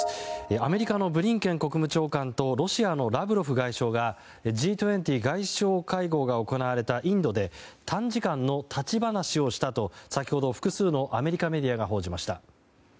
アメリカのブリンケン国務長官とロシアのラブロフ外相がＧ２０外相会合が行われたインドで短時間の立ち話をしたと先ほど複数のアメリカメディアが報じました。